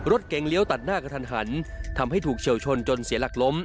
รถเก๋งเลี้ยวตัดหน้ากระทันหันทำให้ถูกเฉียวชนจนเสียหลักล้ม